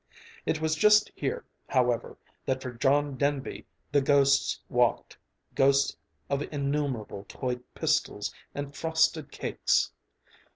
It was just here, however, that for John Denby the ghosts walked ghosts of innumerable toy pistols and frosted cakes.